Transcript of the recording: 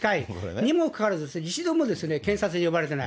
にもかかわらず、一度も検察に呼ばれてない。